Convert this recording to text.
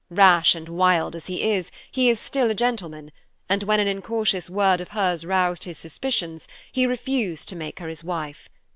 Rash and wild as he is, he is still a gentleman, and when an incautious word of hers roused his suspicions, he refused to make her his wife.